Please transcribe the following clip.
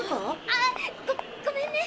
あごめんね！